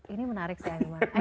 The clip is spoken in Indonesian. ini menarik sih anima